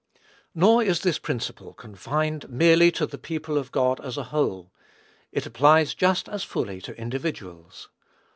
Nor is this principle confined merely to the people of God as a whole; it applies just as fully to individuals.